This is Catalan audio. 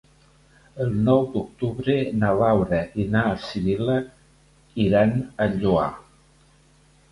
El nou d'octubre na Laura i na Sibil·la iran al Lloar.